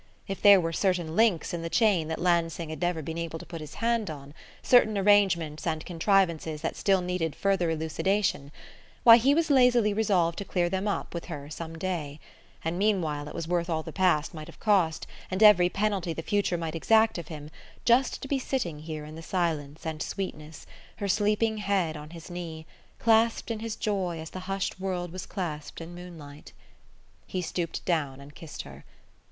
If there were certain links in the chain that Lansing had never been able to put his hand on, certain arrangements and contrivances that still needed further elucidation, why, he was lazily resolved to clear them up with her some day; and meanwhile it was worth all the past might have cost, and every penalty the future might exact of him, just to be sitting here in the silence and sweetness, her sleeping head on his knee, clasped in his joy as the hushed world was clasped in moonlight. He stooped down and kissed her.